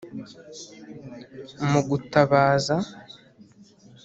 mu gutabaza